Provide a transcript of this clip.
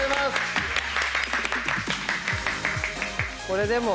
これでも。